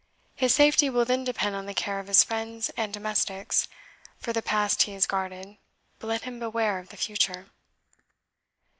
His safety will then depend on the care of his friends and domestics; for the past he is guarded, but let him beware of the future."